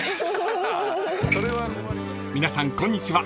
［皆さんこんにちは